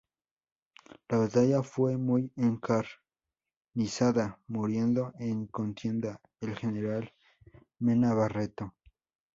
La batalla fue muy encarnizada, muriendo en contienda el general Mena Barreto.